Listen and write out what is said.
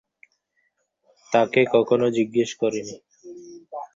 তাঁকে কখনো জিজ্ঞেস করি নি।